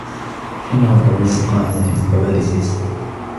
إنهُ طويل القامة مِثل والدهُ.